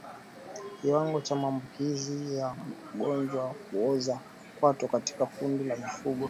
Kiwango cha maambukizi ya ugonjwa wa kuoza kwato katika kundi la mifugo